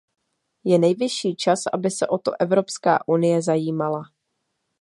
Je nejvyšší čas, aby se o to Evropská unie zajímala.